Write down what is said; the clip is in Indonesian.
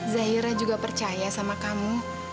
zaira juga percaya sama kamu